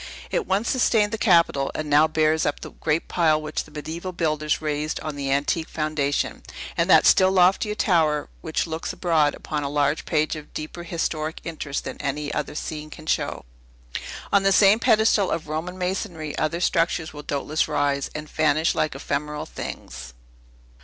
It once sustained the Capitol, and now bears up the great pile which the mediaeval builders raised on the antique foundation, and that still loftier tower, which looks abroad upon a larger page of deeper historic interest than any other scene can show. On the same pedestal of Roman masonry, other structures will doubtless rise, and vanish like ephemeral things.